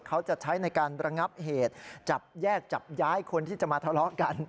เขาจะใช้ในการระงับเหตุจับแยกจับย้ายคนที่จะมาทะเลาะกัน